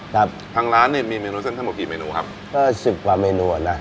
ครับทางร้านเนี้ยมีเมนูเส้นทั้งหมดกี่เมนูครับก็สิบกว่าเมนูอ่ะนะ